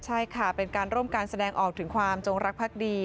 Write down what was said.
ใช่ค่ะเป็นการร่วมการแสดงออกถึงความจงรักภักดี